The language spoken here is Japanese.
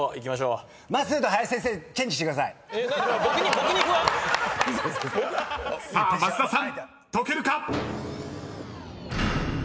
僕に不安⁉［さあ増田さん解けるか⁉］